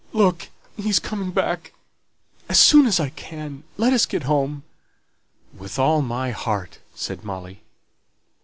Look! he's coming back. As soon as I can, let us get home." "With all my heart," said Molly.